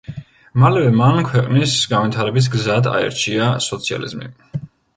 მალევე მან ქვეყნის განვითარების გზად აირჩია სოციალიზმი.